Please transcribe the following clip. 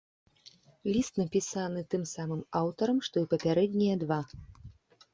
Ліст напісаны тым самым аўтарам, што і папярэднія два.